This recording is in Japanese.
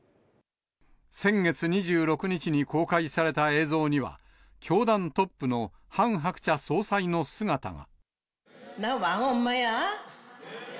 先月２６日に公開された映像には、教団トップのハン・ハクチャ総裁の姿が。